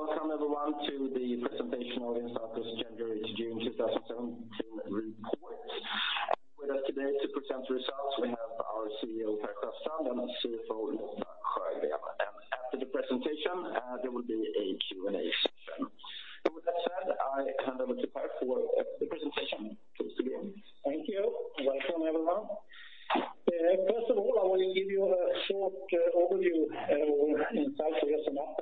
Welcome everyone to the presentation of Instalco this January to June 2017 report. With us today to present the results, we have our CEO, Per Sjöstrand, and our CFO, Lotta Sjögren. After the presentation, there will be a Q&A session. With that said, I hand over to Per for the presentation. Please begin. Thank you. Welcome, everyone. First of all, I want to give you a short overview, inside here, some updates, who we are and what we do. We are offering electrical ventilation, industrial piping, heating, plumbing, and cooling services in the three Nordic countries, Sweden, Norway, and Finland. You can see our net sales distribution there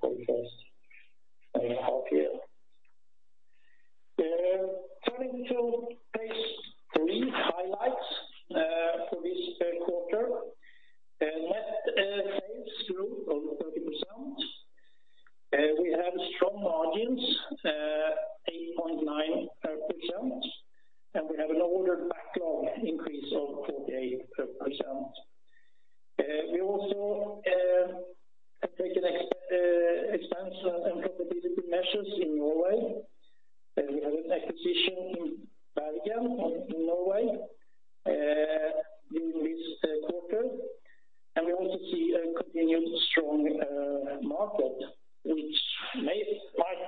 for the first half year. Turning to page 3, highlights for this quarter. Net sales growth of 30%. We have strong margins, 8.9%, and we have an order backlog increase of 48%. We also have taken expansion and profitability measures in Norway, and we have an acquisition in Bergen, in Norway, during this quarter. We also see a continued strong market, which might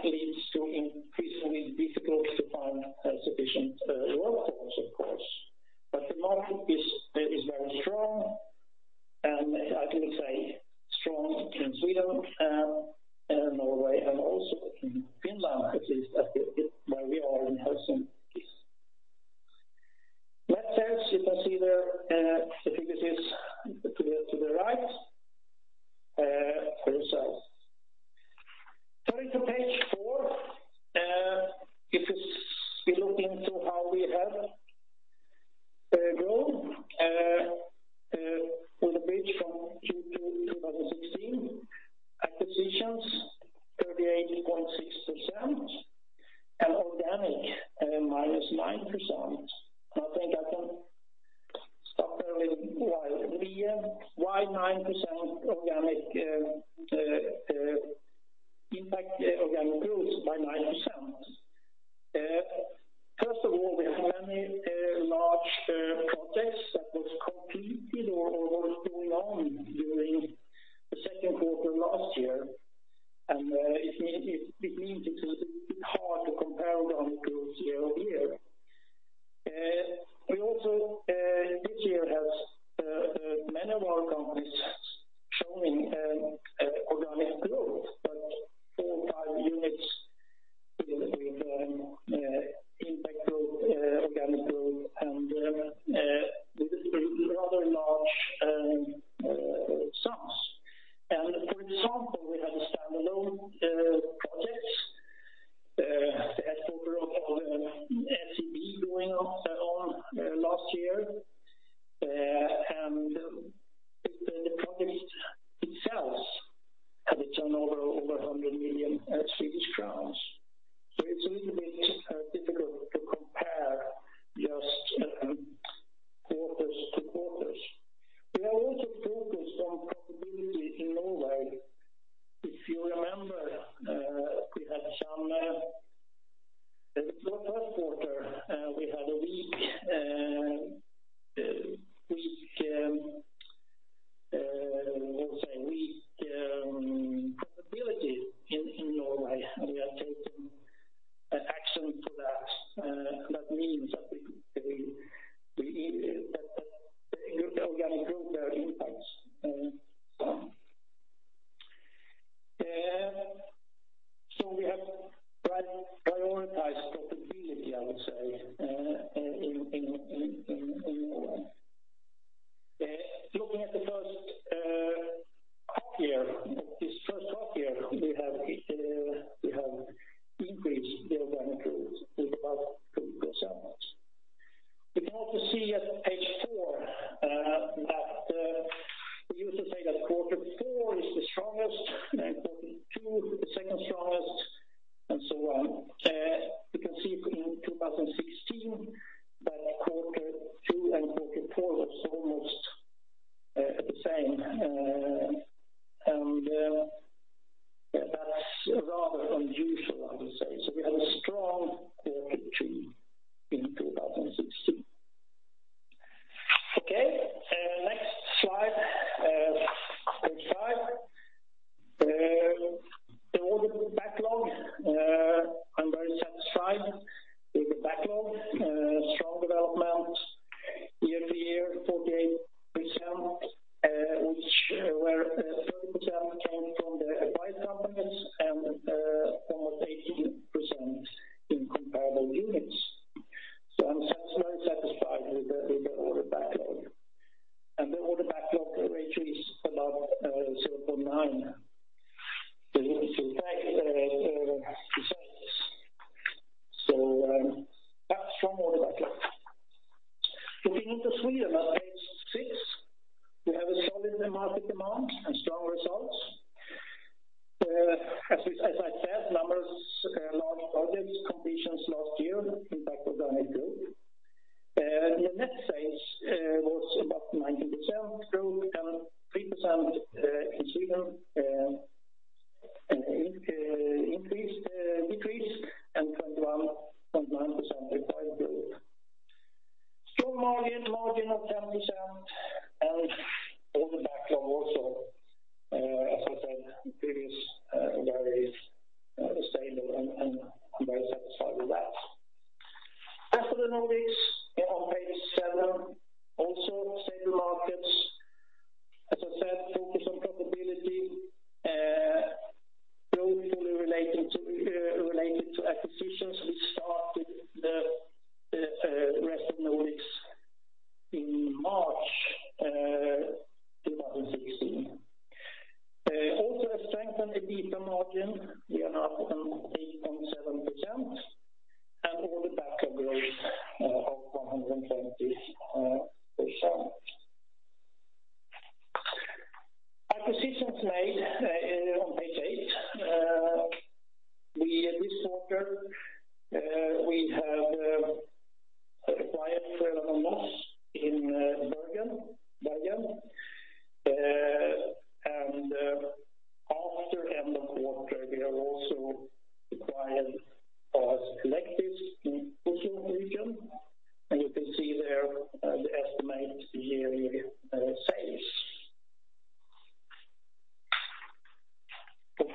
& Noss in Bergen. And after end of quarter, we have also acquired Kollektivet in Oslo region, and you can see there the estimate yearly sales. Okay,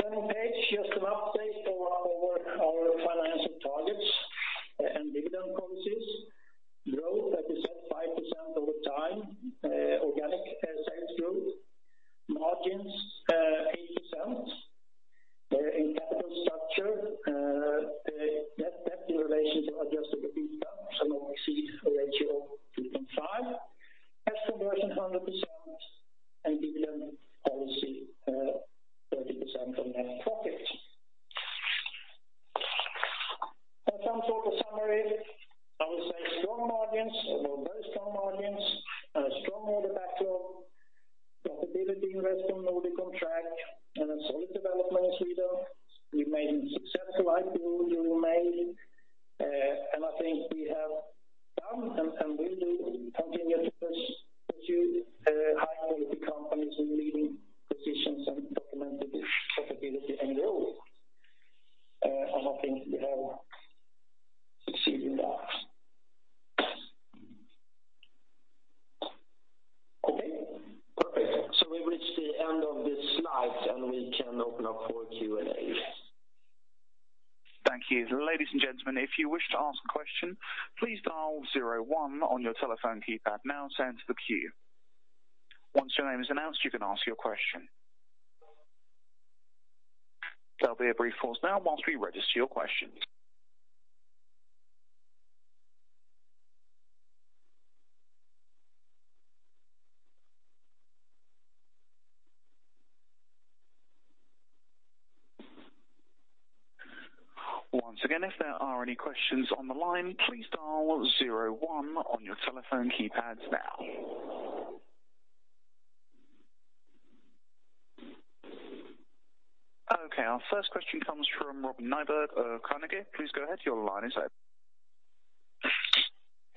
turning page, just an update over our financial targets and dividend policies. Growth at 5% over time, organic sales growth. Margins 8%. In capital structure, net in relation to adjusted EBITA, shall not exceed a ratio of 2.5. Tax conversion 100%, and dividend policy 30% on net profits. And some sort of summary, I would say strong margins, or very strong margins, and a strong order backlog, profitability in Rest of Nordics on track, and a solid development in Sweden. We've made successful acquisitions, and I think we have done and will do, continue to push, pursue high-quality companies in leading positions and documented profitability and growth. I think we have succeeded in that. Okay, perfect. We've reached the end of the slides, and we can open up for Q&A. Thank you. Ladies and gentlemen, if you wish to ask a question, please dial 01 on your telephone keypad now to enter the queue. Once your name is announced, you can ask your question. There'll be a brief pause now while we register your questions. Once again, if there are any questions on the line, please dial 01 on your telephone keypads now. Okay, our first question comes from Robin Nyberg, Carnegie. Please go ahead, your line is open.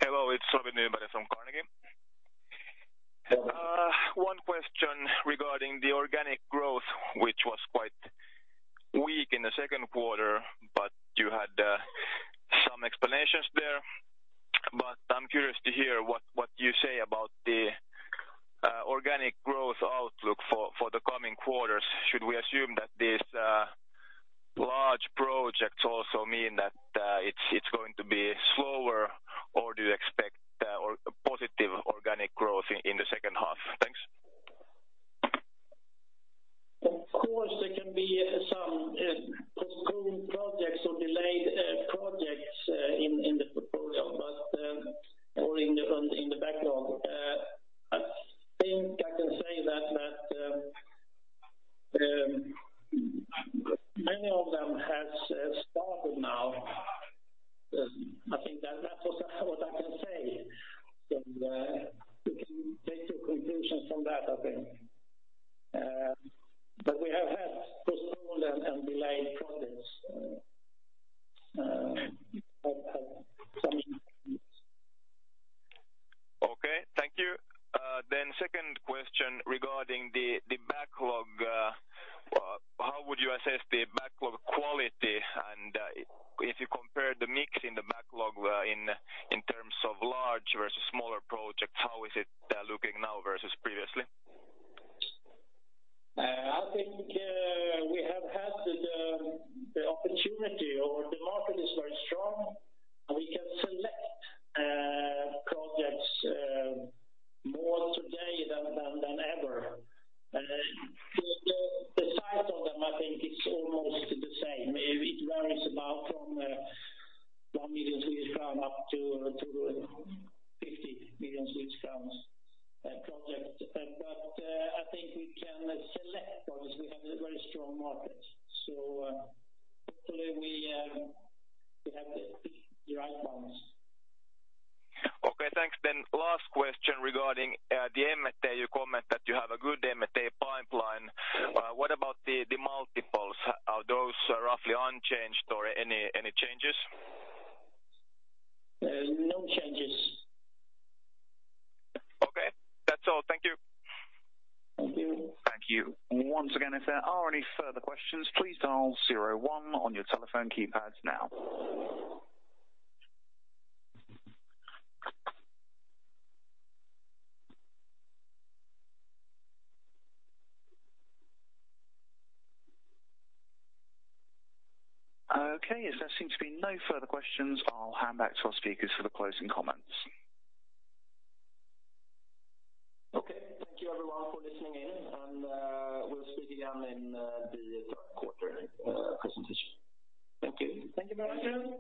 Hello, it's Robin Nyberg from Carnegie. One question regarding the organic growth, which was quite weak in the second quarter, but you had some explanations there. I'm curious to hear what you say about the organic growth outlook for the coming quarters. Should we assume that these large projects also mean that it's going to be slower, or do you expect positive organic growth in the second half? Okay, thank you. Second question regarding the backlog. How would you assess the backlog quality? If you compare the mix in the backlog, in terms of large versus smaller projects, how is it looking now versus previously? I think we have had the opportunity or the market is very strong. We can select projects more today than ever. The size of them, I think, is almost the same. It varies about from 1 million Swedish crown up to 50 million project. I think we can select projects. We have a very strong market. Hopefully we have the right ones. Okay, thanks. Last question regarding the M&A. You comment that you have a good M&A pipeline. What about the multiples? Are those roughly unchanged or any changes? No changes. Okay, that's all. Thank you. Thank you. Thank you. Once again, if there are any further questions, please dial 01 on your telephone keypads now. As there seem to be no further questions, I'll hand back to our speakers for the closing comments. Okay, thank you everyone for listening in, and we'll speak again in the third quarter presentation. Thank you. Thank you very much.